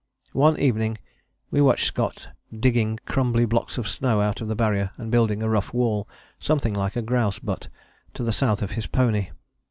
One evening we watched Scott digging crumbly blocks of snow out of the Barrier and building a rough wall, something like a grouse butt, to the south of his pony.